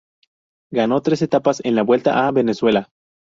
Ganó tres etapas en la Vuelta a Venezuela.